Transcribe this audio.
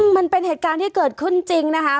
มันเป็นเหตุการณ์ที่เกิดขึ้นจริงนะคะ